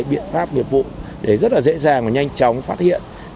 biện pháp nghiệp vụ để rất là dễ dàng và nhanh chóng phát hiện